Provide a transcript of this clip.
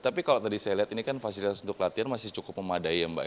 tapi kalau tadi saya lihat ini kan fasilitas untuk latihan masih cukup memadai ya mbak